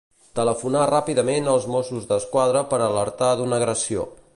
Telefonar ràpidament als Mossos d'Esquadra per alertar d'una agressió.